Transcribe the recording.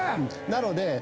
なので。